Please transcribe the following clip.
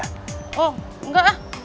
oh enggak lah